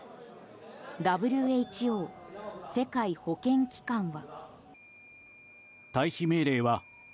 ＷＨＯ・世界保健機関は。